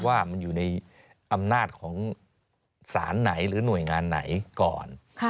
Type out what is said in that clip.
ว่ามันอยู่ในอำนาจของศาลไหนหรือหน่วยงานไหนก่อน